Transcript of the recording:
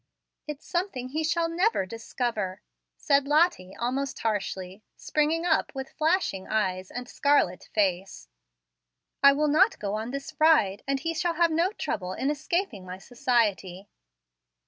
"It's something he never shall discover," said Lottie, almost harshly, springing up with flashing eyes and scarlet face. "I will not go on this ride, and he shall have no trouble in escaping my society."